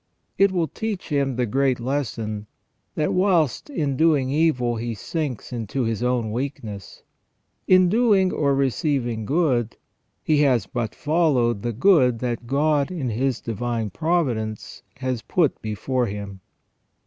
It will teach him the great lesson, that whilst in doing evil he sinks into his own weakness, in doing or receiving good he has but followed the good that God in His divine providence has put before him.